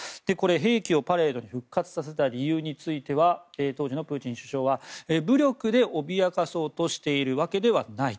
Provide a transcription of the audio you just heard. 兵器をパレードに復活させた理由については当時のプーチン氏は武力で脅かそうとしているわけではない。